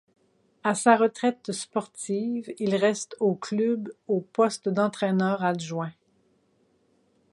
A sa retraite sportive, il reste au club au poste d'entraîneur adjoint.